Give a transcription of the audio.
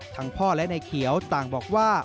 พ่อและนายเขียวต่างบอกว่า